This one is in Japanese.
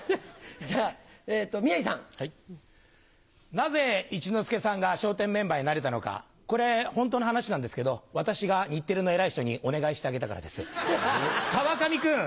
じゃあ、なぜ一之輔さんが笑点メンバーになれたのか、これ、本当の話なんですけど、私が日テレの偉い人にお願いしてあげたからです。